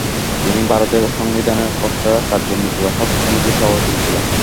তিনি ভারতের সংবিধানের খসড়া কার্যনির্বাহক সমিতির সভাপতিও ছিলেন।